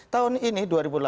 tahun ini dua ribu delapan belas